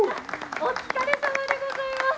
お疲れさまでございます。